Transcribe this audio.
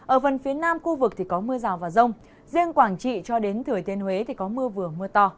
ở phần phía nam khu vực thì có mưa rào và rông riêng quảng trị cho đến thừa thiên huế thì có mưa vừa mưa to